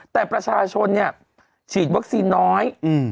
แต่ประชาชนเนี่ยฉีดวัคซีนน้อย